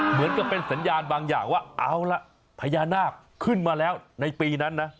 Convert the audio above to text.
เหมือนกับเป็นสัญญาณบางอย่างว่าเอาล่ะพญานาคขึ้นมาแล้วในปีนั้นนะ